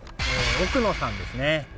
奥野さんですね。